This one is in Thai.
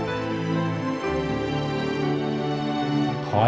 ของทุกคน